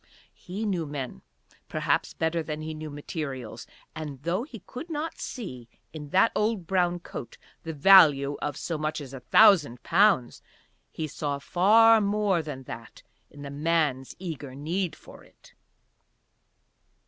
He knew men perhaps better than he knew materials; and, though he could not see in that old brown coat the value of so much as a thousand pounds, he saw far more than that in the man's eager need for it.